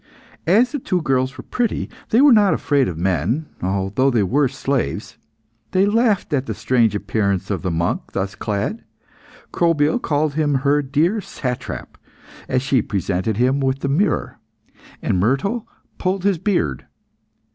As the two girls were pretty, they were not afraid of men, although they were slaves. They laughed at the strange appearance of the monk thus clad. Crobyle called him her dear satrap, as she presented him with the mirror, and Myrtale pulled his beard.